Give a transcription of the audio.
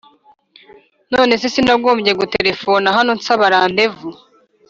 nonese sinagombye guterefona hano nsaba rendez-vous!?